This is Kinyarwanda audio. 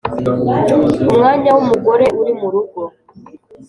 umwanya wumugore uri murugo